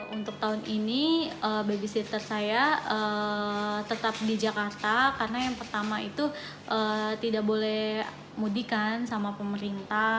untuk tahun ini bagi sister saya tetap di jakarta karena yang pertama itu tidak boleh mudikan sama pemerintah